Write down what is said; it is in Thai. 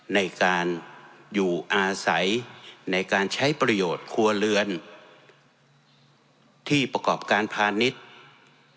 ในการอยู่อาศัยในการใช้ประโยชน์ครัวเรือนที่ประกอบการพาณิชย์การอุตสาหกรรมอะไรอีกหลายอย่าง